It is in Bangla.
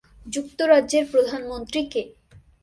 যুক্তরাজ্যের প্রধানমন্ত্রী কে?